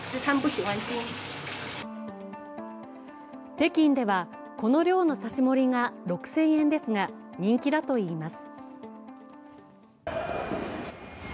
北京ではこの量の刺し盛りが６０００円ですが、人気だといいます。